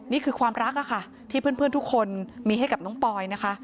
นี่คือความรักค่ะที่เพื่อนทุกคนมีให้กับน้องปอยนะคะ